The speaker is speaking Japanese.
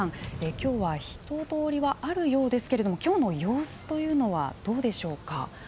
きょうは人通りはあるようですけれども今日の様子というのはどうでしょうか。